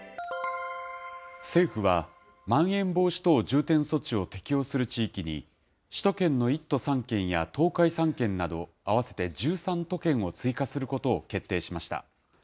政府は、まん延防止等重点措置を適用する地域に、首都圏の１都３県や東海３県など、合わせて１３都県を追加することを決定しました。